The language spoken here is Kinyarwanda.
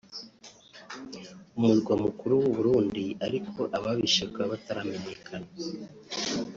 umurwa mukuru w’u Burundi ariko ababishe bakaba bataramenyekana